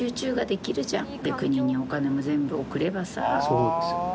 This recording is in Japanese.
そうですよね。